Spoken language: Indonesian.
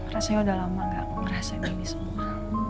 rasanya udah lama gak ngerasain ini semua